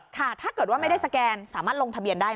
ถ้าเกิดว่าไม่ได้สแกนสามารถลงทะเบียนได้